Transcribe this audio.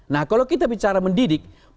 nah kalau kita bicara mendidik